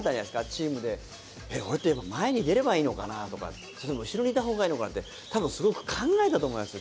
チームで、俺って前に出ればいいのかなとか、それとも後ろにいた方がいいのかなって、たぶんすごく考えたと思いますよ。